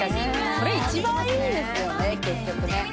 それ一番いいですよね結局ね。